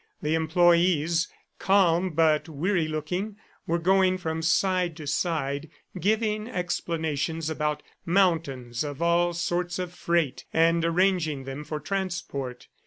The employees, calm but weary looking, were going from side to side, giving explanations about mountains of all sorts of freight and arranging them for transport.